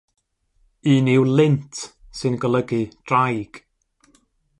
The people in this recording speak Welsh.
Un yw "lint" sy'n golygu "draig".